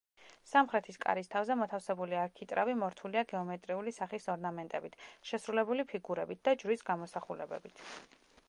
სამხრეთის კარის თავზე მოთავსებული არქიტრავი მორთულია გეომეტრიული სახის ორნამენტებით შესრულებული ფიგურებით და ჯვრის გამოსახულებებით.